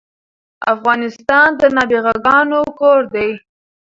افغانستان د نابغه ګانو کور ده